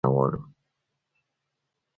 نه دا چې موږ جګړه غواړو،